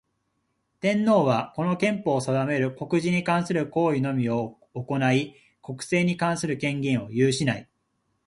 天皇は、この憲法の定める国事に関する行為のみを行ひ、国政に関する権能を有しない。